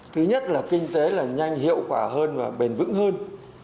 thứ nhất là kinh tế là nhanh hiệu quả hơn và bền vững hơn